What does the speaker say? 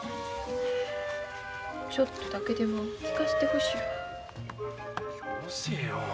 ちょっとだけでも聞かせてほしいわ。